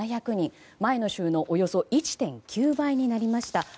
前の週のおよそ１．９倍になりました。